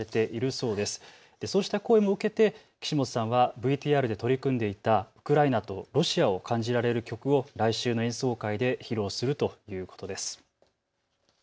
そうした声も受けて岸本さんはＶＴＲで取り組んでいたウクライナとロシアを感じられる曲を来週の演奏会で披露するということです。